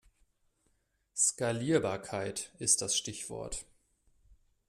Skalierbarkeit ist das Stichwort.